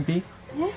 えっ？